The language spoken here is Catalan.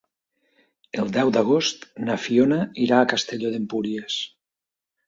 El deu d'agost na Fiona irà a Castelló d'Empúries.